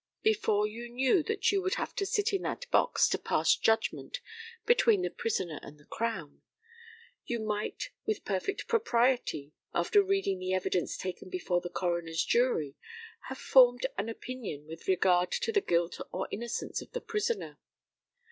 Before you knew that you would have to sit in that box to pass judgment between the prisoner and the Crown, you might with perfect propriety, after reading the evidence taken before the coroner's jury, have formed an opinion with regard to the guilt or innocence of the prisoner.